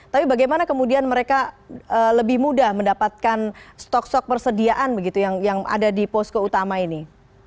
tapi bagaimana kemudian mereka lebih mudah mendapatkan stok stok persediaan begitu yang ada di posko utama ini